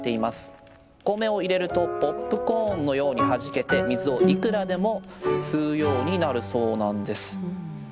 お米を入れるとポップコーンのようにはじけて水をいくらでも吸うようになるそうなんです。